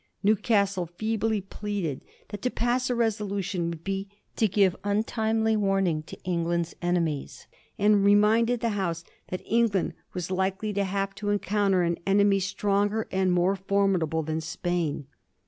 Newcastle feebly pleaded that to pass a resolution would be to give untimely warning to England's enemies, and reminded the House that England was likely to have to 8* 178 A HISTORY OF THE FOUR GEORGES. ch. zxxii. encounter an enemy stronger and more formidable than Spain.